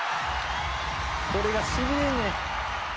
「これがしびれんねん！